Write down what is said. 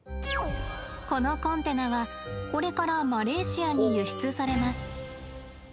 このコンテナはこれからマレーシアに輸出されます。